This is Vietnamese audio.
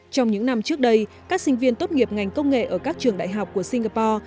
trong những năm trước đây các sinh viên tốt nghiệp ngành công nghệ ở các trường đại học của singapore